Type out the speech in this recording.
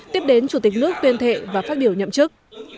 tiếp đến chủ tịch nước tuyên thệ và phát biểu nhậm chức